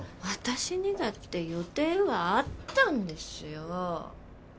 私にだって予定はあったんですよ。